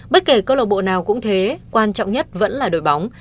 bất kể câu lộc bộ nào cũng thế quan trọng nhất vẫn là đội bóng